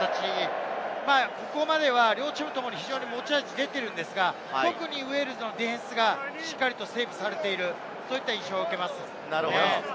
ここまで両チームの持ち味が出ているんですが、特にウェールズのディフェンスがしっかりされているそういった印象を受けます。